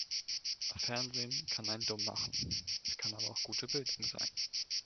Fernsehen kann einen dumm machen, es kann aber auch gute Bildung sein.